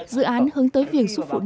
dự án hướng tới việc giúp phụ nữ có thai